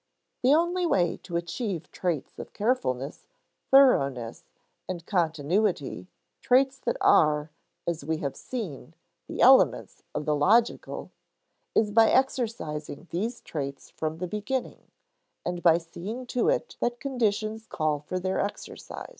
The only way to achieve traits of carefulness, thoroughness, and continuity (traits that are, as we have seen, the elements of the "logical") is by exercising these traits from the beginning, and by seeing to it that conditions call for their exercise.